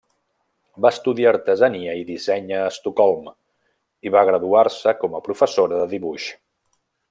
Va estudiar artesania i disseny a Estocolm, i va graduar-se com a professora de dibuix.